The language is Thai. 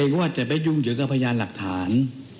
ก็เกรงว่าจะไปยุ่งเยอะกับพยานหลักฐาน